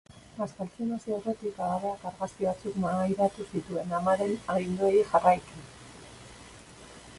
Bazkaltzen hasi aurretik, abadeak argazki batzuk mahairatu zituen, amaren aginduei jarraiki.